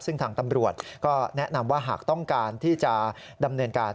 ซึ่งทางตำรวจก็แนะนำว่าหากต้องการที่จะดำเนินการ